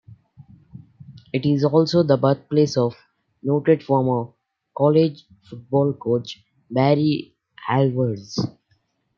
It is also the birthplace of noted former college football coach Barry Alvarez.